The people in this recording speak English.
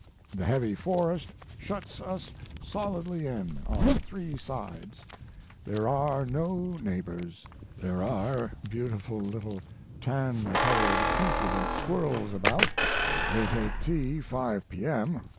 The heavy forest shuts us solidly in on three sides there are no neighbors. There are beautiful little tan colored impudent squirrels about. They take tea 5 P.M.